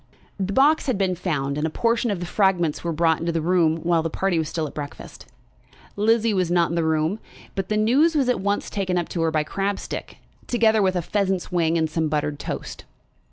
The box had been found, and a portion of the fragments were brought into the room while the party were still at breakfast. Lizzie was not in the room, but the news was at once taken up to her by Crabstick, together with a pheasant's wing and some buttered toast.